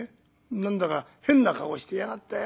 何だか変な顔してやがったよ。